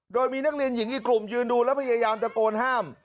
โดยมีนักเรียนหญิงอีกกลุ่มยืนดูแล้วพยายามตะโกนห้าม